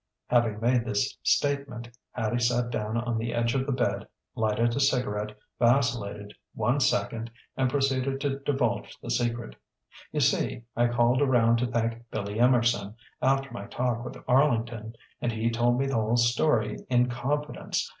Having made this statement, Hattie sat down on the edge of the bed, lighted a cigarette, vacillated one second, and proceeded to divulge the secret: "You see, I called around to thank Billy Emerson, after my talk with Arlington, and he told me the whole story in confidence.